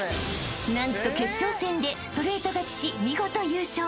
［なんと決勝戦でストレート勝ちし見事優勝。